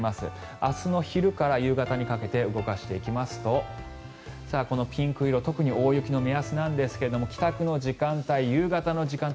明日の昼から夕方にかけて動かしていきますとこのピンク色特に大雪の目安なんですが帰宅の時間帯、夕方の時間帯